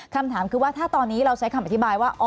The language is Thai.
คำถามคือว่าถ้าตอนนี้เราใช้คำอธิบายว่า